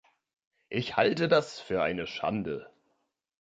Ich halte das für eine Schande.